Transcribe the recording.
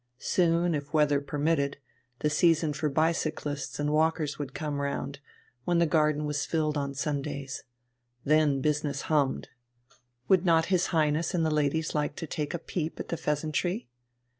Soon, if the weather permitted, the season for bicyclists and walkers would come round, when the garden was filled on Sundays. Then business hummed. Would not his Highness and the ladies like to take a peep at the "Pheasantry"?